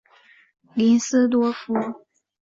林斯多夫。